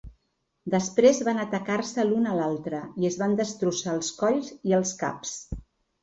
Després van atacar-se l'una a l'altra, i es van destrossar els colls i els caps.